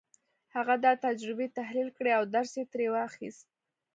هغه دا تجربې تحليل کړې او درس يې ترې واخيست.